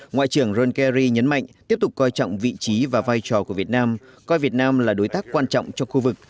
ngoại trưởng john kerry nhấn mạnh tiếp tục coi trọng vị trí và vai trò của việt nam coi việt nam là đối tác quan trọng cho khu vực